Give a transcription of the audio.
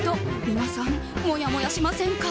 皆さん、もやもやしませんか？